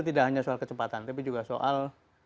tidak hanya soal kecepatan tapi juga soal